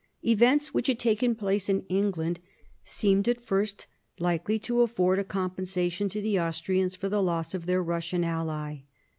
Events which had taken place in England seemed at first likely to afford a compensation to the Austrians for the loss of their Eussian ally.